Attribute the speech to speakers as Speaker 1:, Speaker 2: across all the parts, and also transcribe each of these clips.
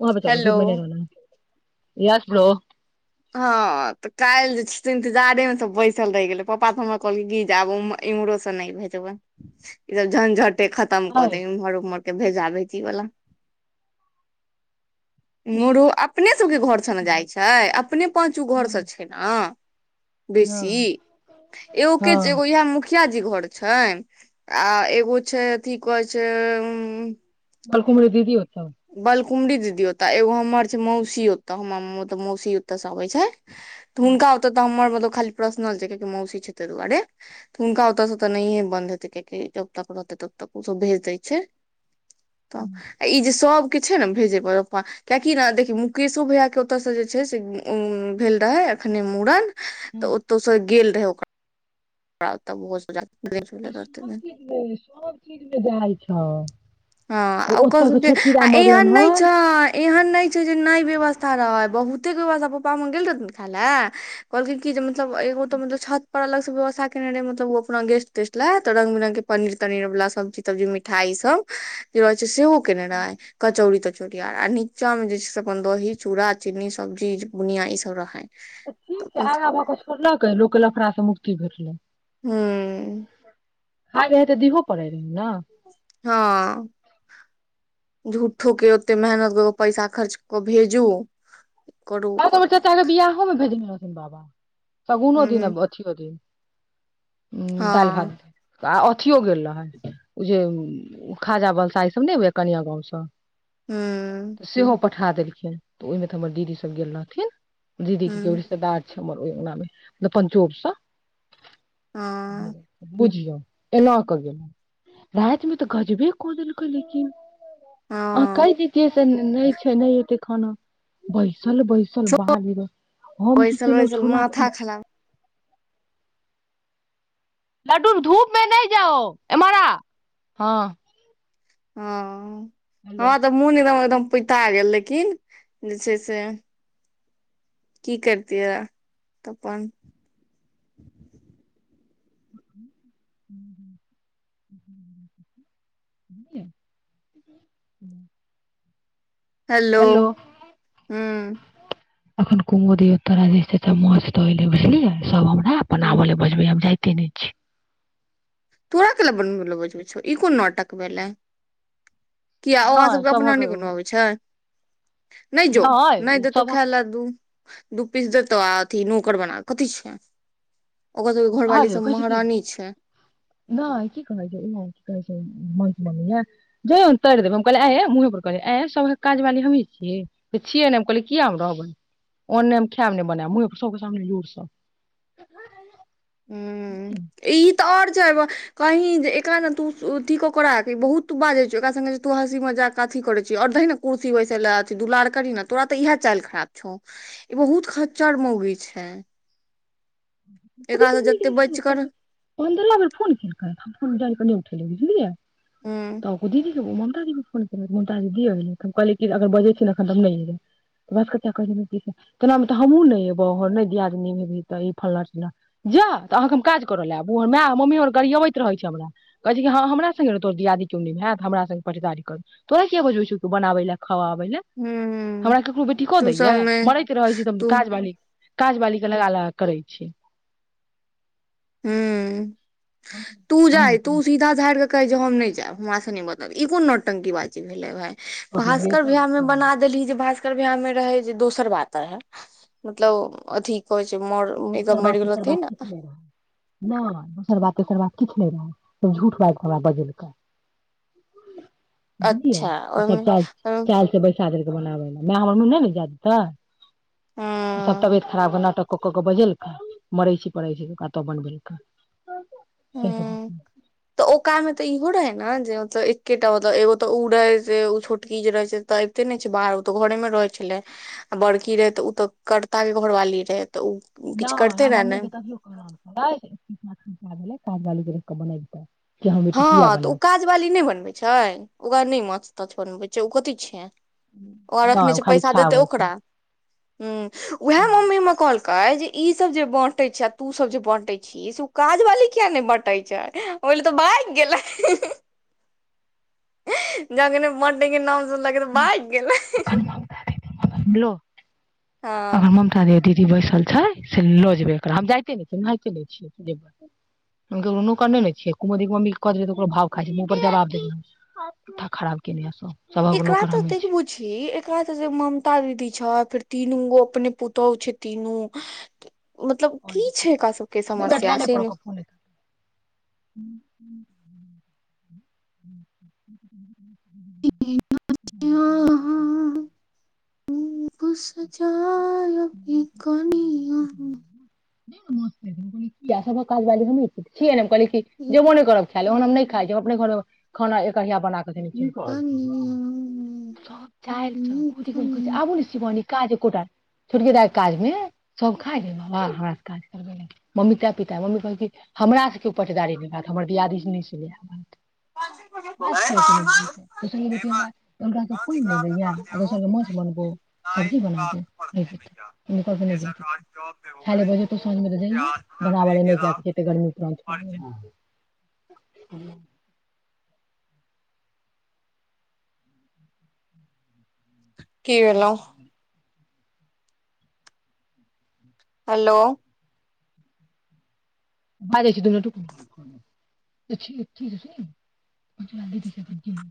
Speaker 1: वहाँ [unintelligible] पे चलू
Speaker 2: हेलो
Speaker 1: धूपमने रहान। [unintelligible] यस बलो। [unintelligible]
Speaker 2: हँ तऽ काल् जे छै इंतजारे मे सब बैसल रहि गेलै पापा त हमर कहल गब इम्हरो से नहि भेजबै ईसभ झंझट। खतम कऽ
Speaker 1: हाय हाँ,
Speaker 2: देमहर उमहर। त भेजा भेजीवला। [unintelligible] मुरू अपने सबके घर छ जाइत छै। पाँच ग घर सब
Speaker 1: हँ
Speaker 2: छै न। हं। [unintelligible] बेसी
Speaker 1: हँ
Speaker 2: -एग के छै
Speaker 1: हँ
Speaker 2: एगो -इहा मुखिया। मुखिया जी घर छै -आ एगो छै अथी कहै छै उ।
Speaker 1: कलकुमड़ दी होत।
Speaker 2: बाल कुम्ड ददियत। तऽ एगो हमर छै मौसीोतऽ हमर त- मौसी तऽ सब होइ छै। तऽ हुनका होतै तऽ हमर मब। खाली पर्सनल छै कियि मौसी छै ता दुआरे तऽ हुनका ओतयसँ तऽ नहिये बंन्द हेतै कियकि जब तक रहते तब तक ओ सब भेज दै छै। [unintelligible] तऽ ई जे। [unintelligible] सब के छै ने भेजे प कआकि ने देखिय मुकेशो भैया के ओतय -से जे छै से उ भेल रहे एखने मूड़न। तऽ ओतऽ स। गेल रहौ। [unintelligible] बहुत स जा।
Speaker 1: पर सब चीज मे सब चीज मे जाइ छौ
Speaker 2: [unintelligible] हँ ओ
Speaker 1: ओतऽ के छोटकीरा
Speaker 2: आ [unintelligible]
Speaker 1: मरलनि
Speaker 2: एहन नहि
Speaker 1: हन
Speaker 2: छ एहन नहि छ जे नहि व्यवस्था। रह बहुते कोवथा प्पा म गेल रहन ख ल कहलकै क जे। मतल एगो तो मतल छत पर अलग। सुबह। [unintelligible] ा केने रहे मतलब ओ अपना गेस्ट तेस्ट ले तऽ रंग बिरंग के पनीर तनीर वाला सब्जी तब्जी मिठाई सब- जे रह छै सेहो। केनाइ कचौड़ी तऽ। चुरा आ आ नीचा मे जे छै से अपन दही चूड़ा चीनी सब्जी बुनिया ई सब रहै।
Speaker 1: आगा भ कऽ छोड़लक लोक के लफड़ा से मुक्ति भेटले। [unintelligible]
Speaker 2: हँ। [unintelligible]
Speaker 1: ह- ह -तऽ दिहोो पड़ै रह न। [unintelligible]
Speaker 2: हँ [unintelligible] झूठो के ओते मेहनत कऽ कऽ पैसा खर्च कऽ भेजू। [unintelligible]
Speaker 1: आ
Speaker 2: करू
Speaker 1: चचाे बिियाहहो में भेज म। [unintelligible] बाबा। [unintelligible] सगुनो दिन
Speaker 2: हूँ
Speaker 1: बथओ दिन। [unintelligible] उ दालि
Speaker 2: हँ
Speaker 1: भात। [unintelligible] आ अथिियो गेल रहै ओ जे खाजा बलसा ईसभ नहि ह कनिया गाँवसँ। [unintelligible]
Speaker 2: हूँ
Speaker 1: तऽ सेहो हो। [unintelligible] पठा देलखिन त ओहिमे तर दीदी। सब गेल रहथिन। [unintelligible] दीदी की- की
Speaker 2: हूँ
Speaker 1: ओड़श द छै। हमर ओहि अगनामे मलब पञ्चोपसँ। [unintelligible]
Speaker 2: हँ
Speaker 1: [unintelligible] बुझियौ। एना कऽ गेल राति मे तऽ गजबे कऽ देलकै लेकिन। [unintelligible] [unintelligible] आ
Speaker 2: हँ
Speaker 1: कै दीिय से नहि छै नहि एत। खान बइ। [unintelligible] चल बैसल बाहरब हम की
Speaker 2: बैसल
Speaker 1: केलहु
Speaker 2: बैसल
Speaker 1: छोला फल।
Speaker 2: माथा
Speaker 1: [unintelligible]
Speaker 2: खराब
Speaker 1: लड्डू धूप मे नहि जाओ एमारा हँ। [unintelligible]
Speaker 2: हँ। [unintelligible] आ
Speaker 1: हेलो
Speaker 2: त मन द। [unintelligible] एकदम पुता गेल लेकिन जे छै से। [unintelligible] की करतियै [unintelligible] तऽ अपन।
Speaker 1: ह्म -ह -ह- ह। [unintelligible]
Speaker 2: हेलो [unintelligible] ह्मं।
Speaker 1: एखन कुमो दियौ तरा जे च मछ तयल बुझलियै सब हमरा।
Speaker 2: हूँ
Speaker 1: अपननाबै ले बजबै हम जा। तीन छै। [unintelligible]
Speaker 2: तोरा क के ल बन बो बझबै छ ई कोन नट। पटक भेल ल। [unintelligible] किया ओकरा
Speaker 1: नहि
Speaker 2: सभके अपना नहि
Speaker 1: सभक
Speaker 2: बनबै आबे छै। नहि जो नहि
Speaker 1: ओ
Speaker 2: देतो
Speaker 1: सभक
Speaker 2: ख्याल आ दू दू पीस देत आ। नौकड़ बना कथी छै। ओकर सबके घरवाली
Speaker 1: कहलियै
Speaker 2: सब
Speaker 1: कहै छै कि
Speaker 2: महरानी छै।
Speaker 1: नहि की कहै छै की कहै छै म ज तर देबै हम कहलैहे कह आ सब काज वाली हमही छियै छियै ने कहै किया रहबै ओन्ने खायब बना मुे सब सामने ज।
Speaker 2: ह ई। तऽ आओर जेब कहीँ जे एकरा ने तू अथी कऽ कर बहुत बाजै छ ओकरा सङ्गे जे तू हँसीमे जा कऽ अथी करै छिय आओर दही ने कुर्सी बैसे लए अथिी दुलार करी ने तोरा तऽ इह चालि खराब छौ ई बहुत खच्चर मौगी छै। एकरा से जते बचि कर
Speaker 1: [unintelligible] फन केलकै। हम जान कनि उठ ले बझलियै।
Speaker 2: हूँ
Speaker 1: [unintelligible] ममाजी के फोन ममती दिय कहल अगर बजे छी नेखन त हम नहि एबै बास क कह तना तऽ हमहुँ नहि एबै नहि दियादनी हे त। फल्ला चिलला जा तऽ अहाँके हम काज करऽ लए आबू माय मम्मी हमर गरीयबैत रहै छै हमरा कहे छै कि हँ हमरा संघे तोर दियादी चुननी भ होत हमरा सं पटदारी कर तोरा के बोझ छौ तू बनाबे लए। ह आबै लए
Speaker 2: हूँ
Speaker 1: हमरा ककरो बेटी को
Speaker 2: तू
Speaker 1: दैय
Speaker 2: सबमे
Speaker 1: मरैत रहै छै त
Speaker 2: तू
Speaker 1: काज बाली। काज बालि के लगा लगा क। करै छी।
Speaker 2: ह्म्म। तू जाय तू
Speaker 1: कहलियै
Speaker 2: सीधा झड़। कहै जे हम नहि जायब हमरा से नहि बताब ई कोन नौटंकी बाजी भेलै भाय। भास्कर
Speaker 1: तऽ
Speaker 2: भ्याह मे
Speaker 1: कहलियै
Speaker 2: बना देली जे भास्कर। भास्कर भईया में रहे जे दोसर बात रहे मतलब अथी कह। जे मर
Speaker 1: दोसर
Speaker 2: मर
Speaker 1: बात
Speaker 2: गेल
Speaker 1: तेसर बात
Speaker 2: राहतीन।
Speaker 1: किछु नहि रहै नहि दोसर बात तकर बात किछु नहि रह झूठ भाग कऽ हमरा बजलि कऽ। बुझलियै
Speaker 2: अच्छा
Speaker 1: सब
Speaker 2: ओहिमे
Speaker 1: चाल
Speaker 2: हूँ
Speaker 1: चाल से बस। चादर के बनाबै ल मैाय हमर नहि ने जााद तऽ। सब तबियत खराब के नाटक। कऽ केऽ बजेलका मरै छै पड़ै छै कतो बनबेलका।
Speaker 2: ह तऽ ओ कमे तऽ ईहो रहै ने। ने जे एकेटा मतलब एगो ते रहे छोटकी जे रहे छै ते अबिते ने छै बाहर ओ ते घरे में रहे छले आ बड़की रहे ते ते करता के घरवाली रहे। तऽ ओ
Speaker 1: नहि
Speaker 2: किछु करते
Speaker 1: हमरा
Speaker 2: रहे
Speaker 1: मम्मी
Speaker 2: ने
Speaker 1: के तखियो करल। [unintelligible] पलगैर क बनतै। [unintelligible]
Speaker 2: हँ तऽ ओ काज बाली नहि बनबैत छै। ओकरा नै माछ ताछ बनबे छै ओ कथी छियैं
Speaker 1: नई ऊ खाली खै अबई छै
Speaker 2: हूं उएह मम्मीमे कल कहै जे ई सब जे बाँटे छै आ तू सब जे बाँटे छी से ओ काज वाली किया नहि बाँटे छै ओहि ल। ओ त भाईग गेले जख़्ने बाटे के नाम ऐले। सुन लाग तऽ बाहर आ गेल ने।
Speaker 1: अखन ममता दीदी
Speaker 2: हँ
Speaker 1: जे दीदी बैसल छै से लऽ जेबे एकरा हम जाईते नै छियै हम नहाईते नै छियै हम केकरो नोकर नैने छियै कुमुद दीदी के मम्मी के कऽ देलियई त ओकरो भाव खाइ छै मुंह पर जवाब देबै हम। माथा खराब केने यै सब सभहक नौक
Speaker 2: ततेक बूझही एकरा त जे ममता दीदी छथ फेर तीनू गो अपने पुतहु छै तीनू मतलब
Speaker 1: [unintelligible] दू
Speaker 2: की छै एकरा सबके
Speaker 1: मिनट
Speaker 2: समस्या
Speaker 1: लाईने
Speaker 2: से
Speaker 1: पर रह
Speaker 2: ने
Speaker 1: ओकर फोन ऐत [inaudible]
Speaker 2: ऐना जे अहाॅं रूप सजायब यई कनियाॅं
Speaker 1: [unintelligible] कियै सभहक काजबाली हमहीं छि, छियै नै कहलियई कि जेबो नै करब खाय ले ओहन हम नहि खायछी हम अपने घर खाना एक अढिया बनााकऽ रखने छी। की कहल, सब चाईल छै बुझबो नै करई छै। आबो नै शीवानी काज एकोटा नहि, छोटकी दाईके काजमे सब खााय रहै बाबा हमरास काज करबै मम्मी तें पितैल मम्मीसं कहै कि हमरासे केओ पटेदारी निभैत हमर दियादीनी सनि हमरा से किये कोय दोसर के बेटी हमरा उनका ओत पाईन नै दैईऐ आ दोसरके माछ बनबौ, सब्जी बना दऊ। नै जेतई। नौकर के नहि जै दैछ खाई ले बजेतऊ साँझमे तऽ जैहैं, बनााव लै नहि जैकेछै एते गरमी में प्रान छोडा हूं
Speaker 2: की भेलौ
Speaker 1: [unintelligible]
Speaker 2: हेलो
Speaker 1: बाजई छी दु मिनट रूकन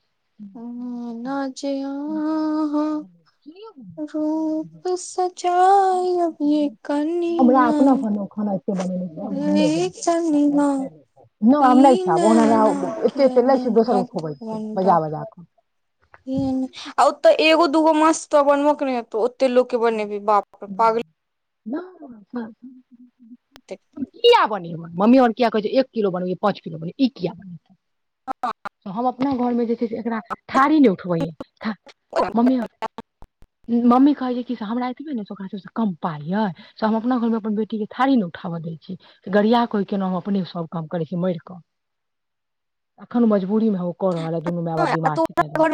Speaker 1: [unintelligible]
Speaker 2: ऐना जे
Speaker 1: सुनियौ,
Speaker 2: आहां रूप सजाायब यै
Speaker 1: हमरा
Speaker 2: कनिंया
Speaker 1: अपना घरमे खाना बनेने [unintelligible] नहि
Speaker 2: ई
Speaker 1: हम नहि खैब ओहन हमरा
Speaker 2: नैना
Speaker 1: एते
Speaker 2: किया
Speaker 1: एततै लै छी
Speaker 2: नहि
Speaker 1: दोसरके खोबै छी बजा बजा कऽ
Speaker 2: ईहे नेतऽ एगो द दुगो माछ तऽ बनबके नहि हेतउ। एते लोकके बनेबी बाप रे पागले
Speaker 1: ना ना बाद में हम कीयैबनेबैन, मम्मी और किया कहै छै एक किलो बनबै या पाँच किलो। ई कियै बनेतई तहम अपन अपना घरमे देख। एकरा ठारी नहि उठबै म्मी। मम्मी कहै छै। की से हमरा एतबे ने से ओकरा सब से कम पााय ये से हम अपना घर मे अपन बेटी के थारी ने उठाबऽ दय छी गड़िया के केना अपने सब काम करे छी मार कऽ अखन मजबूरी मे ओ कऽ रहल। दुनू माय बापी मारथि तैाद।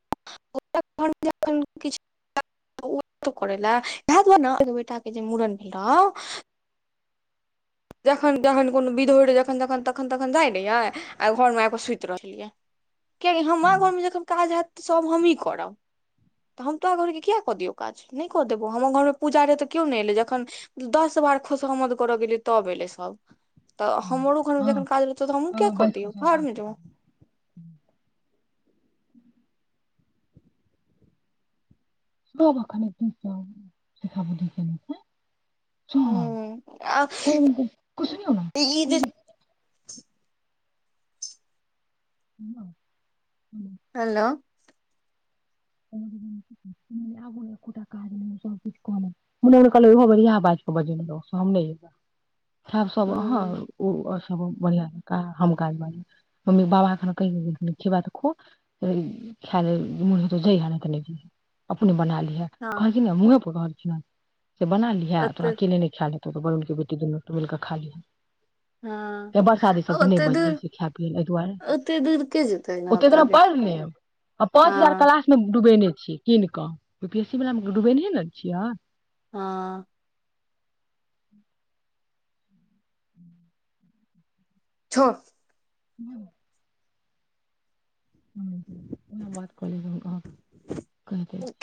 Speaker 2: [unintelligible] घरमे जखन किछु ओ करय लए इएह दुआरे ने एगो बेटाके जे मूड़न भेलए। जखन जखन कोनो विध होइत रहै जखन जखन तखन तखन जाइत रह यए आ घरमे आ कऽ सुति रहलैए। कियाकि हमरा घरमे जखन काज हयत। तऽ सभ हमही करब तऽ हम तोरा घरके किया कऽ दियौ काज नहि कऽ देबौ हमर घरमे पूजा रहै तऽ केओ नहि एलै जखन दस बार खुशहमद करऽ गेलै। तऽब ए ले सब तऽ। हमर ओखमे जन
Speaker 1: हँ
Speaker 2: काज होतै तऽ हमहू किया
Speaker 1: हँ
Speaker 2: कर
Speaker 1: बैस कऽ
Speaker 2: दियऔ
Speaker 1: सब
Speaker 2: भार में
Speaker 1: गप
Speaker 2: जो।
Speaker 1: ह्म्म [inaudible]
Speaker 2: हूँ आ ई जे
Speaker 1: [unintelligible] ह
Speaker 2: हेलो।
Speaker 1: [inaudible] हम नै एबो। खाऊँ सब अहान
Speaker 2: हूँ
Speaker 1: ओ। बढ़िया हम काज्मी बाबा ख त ख खाय। [unintelligible] [unintelligible] अपने बना ली।
Speaker 2: हँ
Speaker 1: कह कि नहि महे प। [inaudible] से बना लिह
Speaker 2: ओते
Speaker 1: तोरा अकेले नै खाए देबो। त ब मिलके बेटी दुनू त मिलऽ खाली है।
Speaker 2: हँ ओतेक दूर
Speaker 1: बजबै छै खाय पियै लेल एहि दुआरे
Speaker 2: ओतेक दूर के जेतै
Speaker 1: ओतेक दिना
Speaker 2: ओ हँ।
Speaker 1: डूबेने छियै कीन कऽ यू पी एस सी वला मे डूबेने ने छियै।
Speaker 2: हँ।
Speaker 1: ह्म
Speaker 2: छोड़।
Speaker 1: ह्म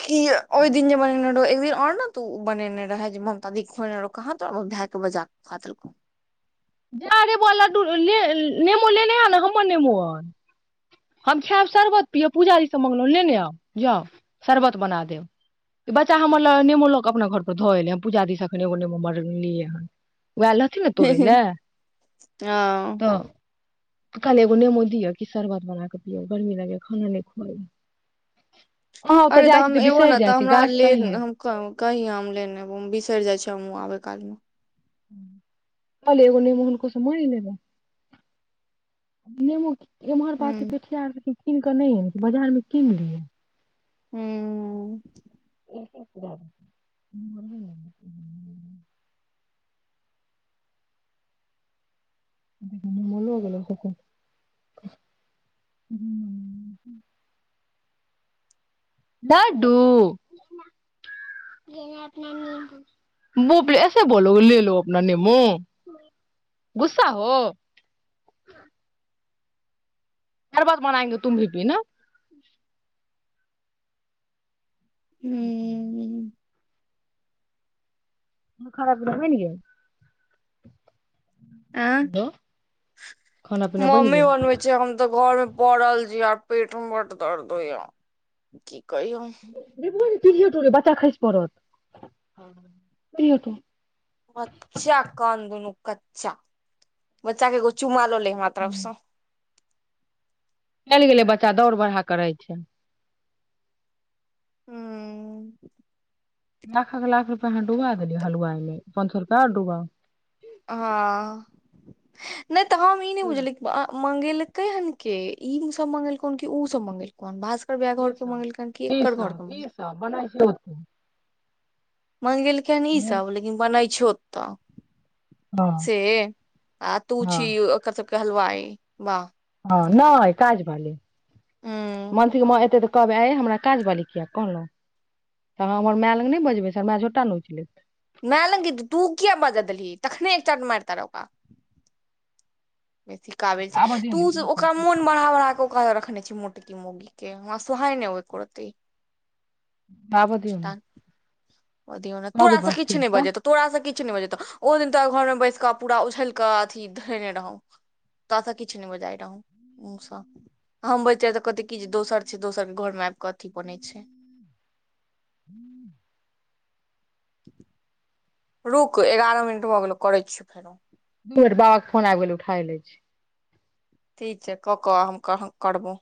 Speaker 2: की ओहि दिन जे बनेने एक दिन और ने तू बनेने रहे जे ममताी खने रहौ कह तो भाय बजा खाेलको।
Speaker 1: जा रेबो आ लड्डू ले नेबो लेने हए ने हमर नेबो आर हम खायब शरबत पियब पूजा दीसँ मङ्गलहुँ लेने आब बुझउ शरबत बना देब कि बच्चा हमर ल नेबो लऽ कऽ अपना घरपर धऽ एयलै ह पूज दीसँ एखन एगो नेबो मलियै हन। वएह लथि ने तोड़ै लए।
Speaker 2: ह।
Speaker 1: काल एगो नेमो दियऔ कि शर्बत बना कऽ पियऔ गर्मी लगे खाना नहि खुआल।
Speaker 2: अरे तऽ हम एबो ने तऽ हमरा ले
Speaker 1: तही हइ
Speaker 2: कहि हम लेनेब बिसरि जाइ छी हमहु आबै। काल में।
Speaker 1: [unintelligible] नेमोनको सम नेबो। एमहर ब छै
Speaker 2: हूँ
Speaker 1: पिठिया आर। कीन कऽ नहि ह ने बाजारमे कीन लियै।
Speaker 2: हू।
Speaker 1: [unintelligible] मोल हो गेल। [unintelligible] लडडू बापले ऐसे बोलो गे लो अपना नेमो गुस्सा हो। शरबत बनाएंगे तुम भी पी ना। अचछा
Speaker 2: हूँ
Speaker 1: खाना पीना बैन गेल।
Speaker 2: ऐ
Speaker 1: हेलो खाना पीना बनि
Speaker 2: मम्मी
Speaker 1: गेल
Speaker 2: बनबै छ हम तऽ घर मे। पड़ल छी य पेट मे बड दर्द होयए क।
Speaker 1: रप [unintelligible] बच्चा खैस परल।
Speaker 2: अच्छा कान दुनू कच्चा बच्चा के एगो चुमा ल लही हमरा तरफ स।
Speaker 1: चलि गेलै बच्चा दौड़ बढ़हा करै छै।
Speaker 2: ह्म्म
Speaker 1: लाखक लाख रुपैआ अहाँ डुबा देलियै हलुवाइमे पाँच सए रुपैआ आओ डुबा।
Speaker 2: हँ। नहि तऽ हम ई नहि बुझलिय। मंगेलकै हन के ई सब मंगेलको हन की उ सब मंगेलको हन। भैया घर के मंगेलकै हन कि
Speaker 1: ईसभ
Speaker 2: एकर घर के
Speaker 1: ईसभ ईसभ बना छै। ह।
Speaker 2: मगेलखिन हन ईसभ लेकिन बनै छौ। कुत्ता। से आ तू
Speaker 1: हँ
Speaker 2: छी कर। कहलवइ वाह।
Speaker 1: हँ नहि काज भाली।
Speaker 2: हूँ
Speaker 1: मनथी म एते तऽ। कहबै आ हमरा काज बाल किया कहलहुँ तऽ हमर माय लग नहि बजबै सर माय छोटा ने उचलै।
Speaker 2: मैालंगत तूकी अ ब ग दली तखने चट मतार ओक। बे सीखाबै छै
Speaker 1: आबऽ दियौ
Speaker 2: तऽ
Speaker 1: ने एक
Speaker 2: ओ ओकरा
Speaker 1: बेर
Speaker 2: मोन बढ़ा बढ़ा कऽ ओकरा। भनै छी मोटकी मोगी के, हमरा सोहाए नै ओय एको रति।
Speaker 1: आबै दियौ नै।
Speaker 2: दियौ ने तोरा से किछ नै बजेतौ, तोरा से कि किछ नै बजैतो ओय दिन ते घर मे बैस के पूरा उझल कऽ अथी धेने रहौ तोरा से किछ नै बजाय रहौ, मुंह सँ हम बजतीये तऽ कहते की जै दोसर छै, दोसर के घर मे आब कऽ अथी बनै छै।
Speaker 1: हू।
Speaker 2: [unintelligible] रुक एगारह मिनट भऽ गेल करै छियै फेरो।
Speaker 1: दू बेर बाबा के फोन आबि गेल उठाय ले छै।
Speaker 2: ठीक छै, क-क हम कह करबो।